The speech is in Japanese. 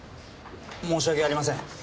申し訳ありません。